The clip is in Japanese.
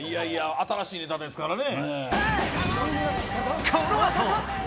新しいネタですからね